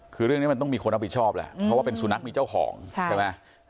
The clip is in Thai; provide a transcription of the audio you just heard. คือเรื่องนี้มันต้องมีคนรับผิดชอบแหละเพราะว่าเป็นสุนัขมีเจ้าของใช่ไหม